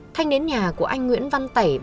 thanh đến nhà của anh nguyễn văn tẩy